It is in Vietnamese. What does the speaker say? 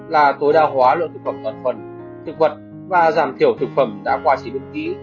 là tối đa hóa lượng thực phẩm toàn phần thực vật và giảm thiểu thực phẩm đã qua chỉ bước ký